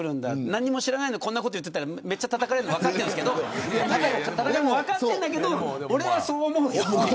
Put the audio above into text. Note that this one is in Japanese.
何も知らないのにこんなこと言ったらめっちゃ、たたかれるんですけどでも、分かっているんだけど俺は、そう思う。